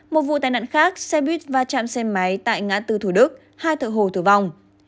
một vụ tai nạn khác xe buýt va chạm xe máy tại ngã tư thủ đức hai thợ hồ tử vong